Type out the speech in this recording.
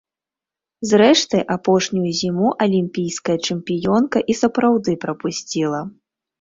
Зрэшты, апошнюю зіму алімпійская чэмпіёнка і сапраўды прапусціла.